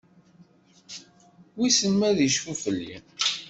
Wissen ma ad icfu fell-i?